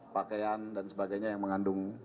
pakaian dan sebagainya yang mengandung